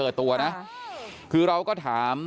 เดี๋ยวให้กลางกินขนม